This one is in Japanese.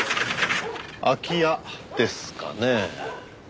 空き家ですかね？